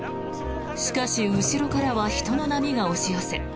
しかし、後ろからは人の波が押し寄せ